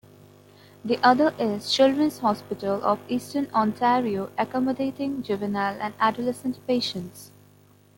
The other is Children's Hospital of Eastern Ontario accommodating juvenile and adolescent patients.